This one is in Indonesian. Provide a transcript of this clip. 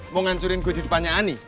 mau ngancurin gue di depannya ani